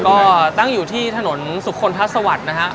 ก็ตั้งอยู่ที่ถนนสุขลทัศวรรค์นะครับ